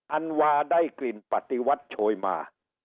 อันวาได้กลิ่นปฏิวัติโชยมา